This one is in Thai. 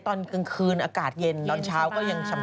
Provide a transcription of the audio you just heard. ตอนกลางคืนอากาศเย็นตอนเช้าก็ยังชำ